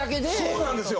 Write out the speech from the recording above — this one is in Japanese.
そうなんですよ！